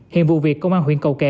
hiện vụ việc công an huyện cầu kè